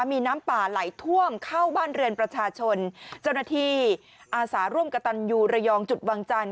มีน้ำป่าไหลท่วมเข้าบ้านเรือนประชาชนเจ้าหน้าที่อาสาร่วมกระตันยูระยองจุดวังจันท